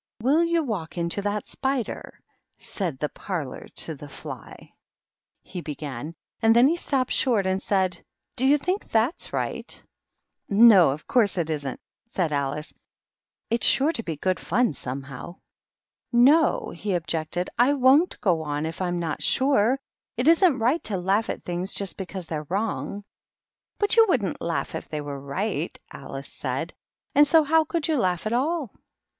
"^ Will you walk into that spider f said the parlor to the fly;' THE MOCK TURTLE. 219 he began; and then he stopped short, and said, "Do you think that's right?" "No, of course it isn't!" said Alice. "But never mind; go on. It's sure to be good fun «07/iehow." " No," he objected, " I wonH go on if I'm not sure. It isn't right to laugh at things just be cause they're wrong." " But you wouldn't laugh if they were right," Alice said; "and so how could you laugh at all